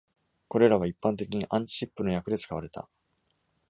これらは一般的にアンチシップの役で使われた。